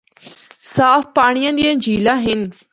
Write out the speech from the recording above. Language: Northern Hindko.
صاف پانڑیاں دیاں جھیلاں ہن۔